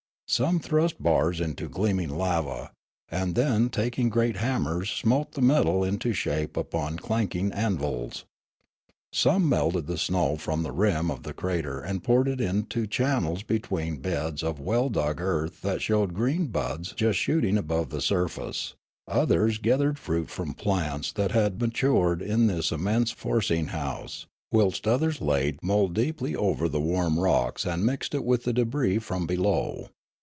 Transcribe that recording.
Some thrust bars into gleam ing lava, and then taking great hammers smote the metal into shape upon clanking anvils. Some melted the snow from the rim of the crater and poured it into channels between beds of well dug earth that showed green buds just shooting above the surface ; others gathered fruit from plants that had matured in this immense forcing ho use; whilst others laid mould deepl}' over the warm rocks and mixed with it the debris from below.